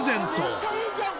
めっちゃいいじゃん！